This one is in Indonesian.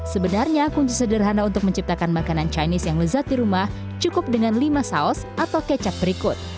sebenarnya kunci sederhana untuk menciptakan makanan chinese yang lezat di rumah cukup dengan lima saus atau kecap berikut